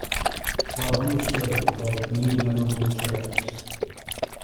While on the show, he developed many memorable characters.